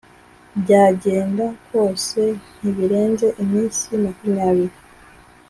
byagenda kose ntibirenze iminsi makumyabiri